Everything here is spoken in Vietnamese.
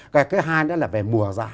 cái thứ hai nữa là về mùa giá